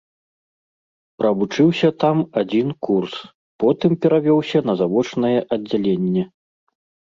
Правучыўся там адзін курс, потым перавёўся на завочнае аддзяленне.